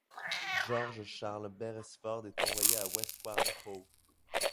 George Charles Beresford est envoyé à Westward Ho!